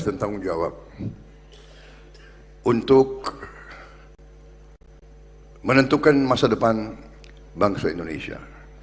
dan tanggung jawab untuk menentukan masa depan bangsa indonesia